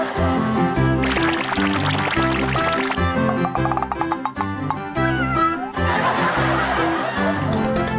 โปรดติดตามตอนต่อไป